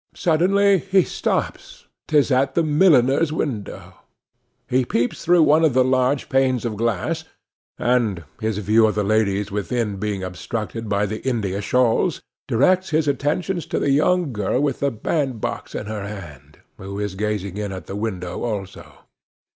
Suddenly he stops—'tis at the milliner's window. He peeps through one of the large panes of glass; and, his view of the ladies within being obstructed by the India shawls, directs his attentions to the young girl with the band box in her hand, who is gazing in at the window also.